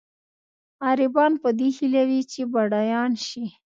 غریبان په دې هیله وي چې بډایان شي.